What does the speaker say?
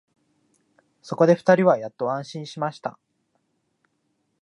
そこで二人はやっと安心しました